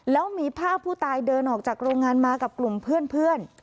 แล้วมีภาพผู้ตายเดินออกจากโรงงานมากับกลุ่มเพื่อน